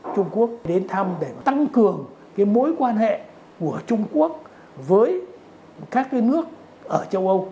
trung quốc đến thăm để tăng cường mối quan hệ của trung quốc với các nước ở châu âu